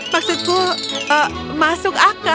maksudku eh masuk akal